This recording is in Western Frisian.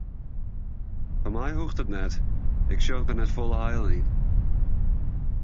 Foar my hoecht it net, ik sjoch der net folle heil yn.